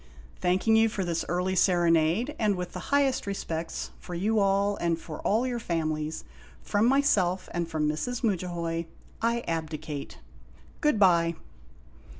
Thank ing you for this early serenade, and with the highest respects for you all and for all your families, from myself and from Mrs. Mudja hoy, I abdicate. Good by !